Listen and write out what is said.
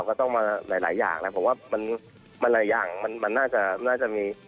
ก็ต้องมาหลายอย่างนะผมว่ามันหลายอย่างมันน่าจะมี